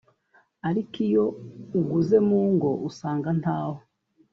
ariko iyo ugeze mu ngo usanga ntawo